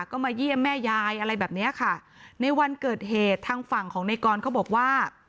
ก็มาเยี่ยมแม่ยายอะไรแบบเนี้ยค่ะในวันเกิดเหตุทางฝั่งของในกรเขาบอกว่า